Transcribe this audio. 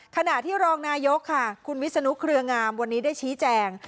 ขณะที่รองนายกค่ะคุณวิศนุเครืองามวันนี้ได้ชี้แจง